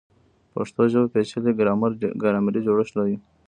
پښتو ژبه پیچلی ګرامري جوړښت لري.